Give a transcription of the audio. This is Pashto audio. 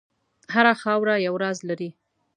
هره خاوره یو راز لري.